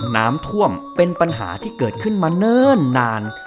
น้ำท่วมเป็นปัญหาที่เกิดขึ้นมาเนิ่นนาน